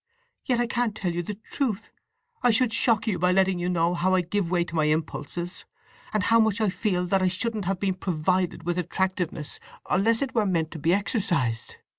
Yet I can't tell you the truth—I should shock you by letting you know how I give way to my impulses, and how much I feel that I shouldn't have been provided with attractiveness unless it were meant to be exercised!